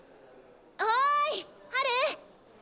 おいハル！